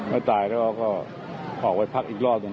ไม่ตายแล้วก็ออกไปพักอีกรอบหนึ่ง